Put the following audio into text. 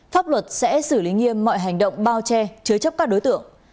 pháp luật sẽ xử lý nghiêm mọi hành động bao che chứa chấp các đối tượng